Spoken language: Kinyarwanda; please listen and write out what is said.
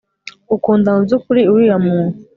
ukunda mubyukuri uriya munt